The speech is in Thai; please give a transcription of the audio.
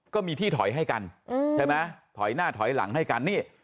ก็มีที่ถอยให้กันใช่ไหมถอยหน้าถอยหลังให้กันนี่